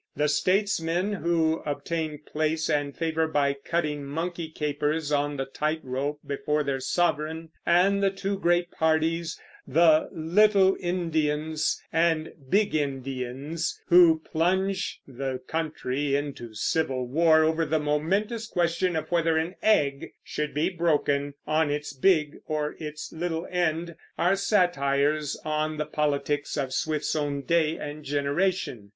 The statesmen who obtain place and favor by cutting monkey capers on the tight rope before their sovereign, and the two great parties, the Littleendians and Bigendians, who plunge the country into civil war over the momentous question of whether an egg should be broken on its big or on its little end, are satires on the politics of Swift's own day and generation.